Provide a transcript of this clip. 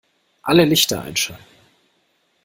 Alle Lichter einschalten